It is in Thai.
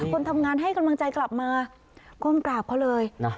คนทำงานให้กำลังใจกลับมาก้มกราบเขาเลย